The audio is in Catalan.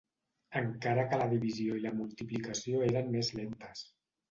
Encara que la divisió i la multiplicació eren més lentes.